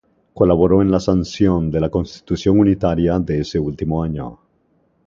Colaboró en la sanción de la constitución unitaria de ese último año.